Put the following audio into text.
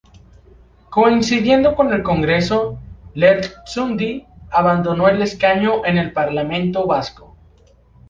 Coincidiendo con el Congreso, Lertxundi abandonó el escaño en el Parlamento Vasco.